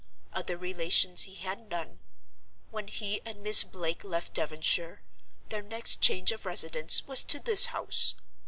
Other relations he had none. When he and Miss Blake left Devonshire, their next change of residence was to this house.